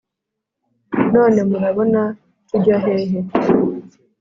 none murabona tujya hehe ?